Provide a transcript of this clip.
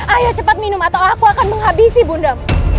ayo cepat minum atau aku akan menghabisi bunda